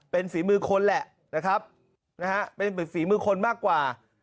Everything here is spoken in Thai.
เป็นฝีมือคนแหละนะครับนะฮะเป็นเหมือนฝีมือคนมากกว่า